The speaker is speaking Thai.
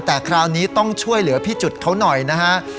แต่คราวนี้ต้องช่วยเหลือพี่จุดเขาหน่อยนะฮะ